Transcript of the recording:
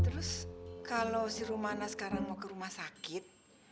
terus kalau si rumana sekarang mau ke rumah sakit